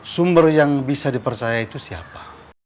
sumber yang bisa dipercaya itu siapa